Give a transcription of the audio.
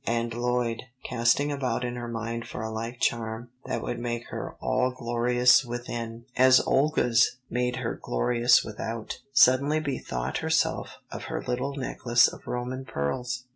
And Lloyd, casting about in her mind for a like charm that would make her "all glorious within" as Olga's made her glorious without, suddenly bethought herself of her little necklace of Roman pearls.